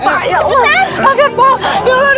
pak ya allah